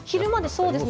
そうですね。